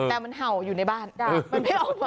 แต่มันเห่าอยู่ในบ้านมันไม่ออกมา